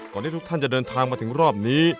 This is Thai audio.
ที่ทุกท่านจะเดินทางมาถึงรอบนี้